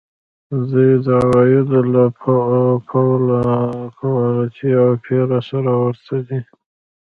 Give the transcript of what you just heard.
دوی د عوایدو له پلوه د ګواتیلا او پیرو سره ورته دي.